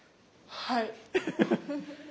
はい。